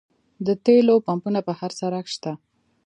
د تیلو پمپونه په هر سړک شته